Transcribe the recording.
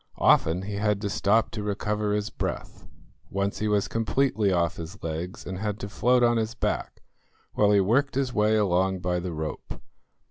Often he had to stop to recover his breath. Once he was completely off his legs and had to float on his back, while he worked his way along by the rope.